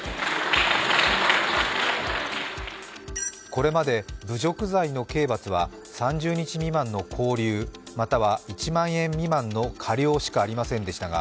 これまで侮辱罪の刑罰は３０日未満の拘留、または１万円以下の科料しかありませんでしたか